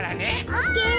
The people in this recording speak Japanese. オッケー。